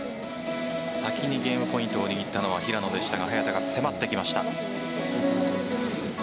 先にゲームポイントを握ったのは平野でしたが早田が迫ってきました。